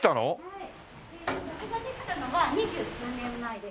はい。